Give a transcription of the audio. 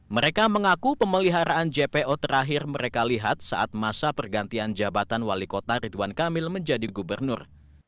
mereka mengaku pemeliharaan jpo terakhir mereka lihat saat masa pergantian jabatan wali kota ridwan kamil menjadi gubernur